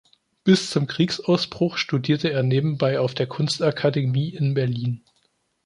Bis zum Kriegsausbruch studierte er nebenbei auf der Kunstakademie in Berlin.